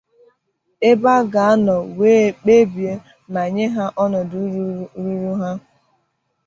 ebe a ga-anọ wee kpebie ma nye ha ọnọdụ ruru ha